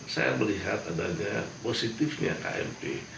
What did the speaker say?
saya melihat adanya positifnya kmp